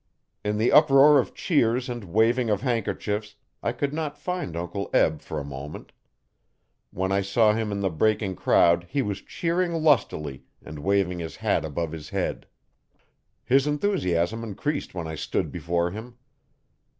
In the uproar of cheers and waving of handkerchiefs I could not find Uncle Eb for a moment. When I saw him in the breaking crowd he was cheering lustily and waving his hat above his head. His enthusiasm increased when I stood before him.